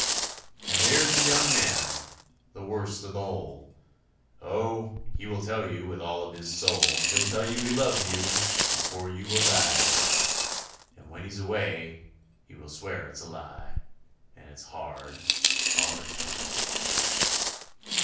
And there's the young man, the worst of the whole. Oh, he will tell you with all of his soul, He'll tell you he loves you and for you will die, And when he's away he will swear it's a lie, And it's hard, hard times.